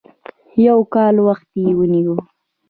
يو کال وخت یې ونیو.